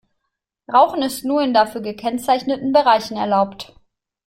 Rauchen ist nur in dafür gekennzeichneten Bereichen erlaubt.